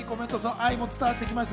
愛も伝わってきました。